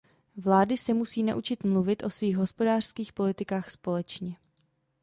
Vlády se musí naučit mluvit o svých hospodářských politikách společně.